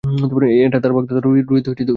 এটা তার বাগদত্তা রোহিত মীরচন্দানির।